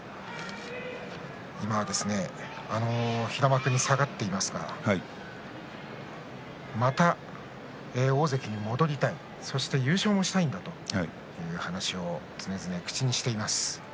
今は平幕に下がっていますからまた大関に戻りたいそして優勝もしたいんだという話を常々口にしています。